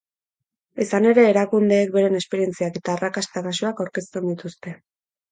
Izan ere, erakundeek beren esperientziak eta arrakasta-kasuak aurkezten dituzte.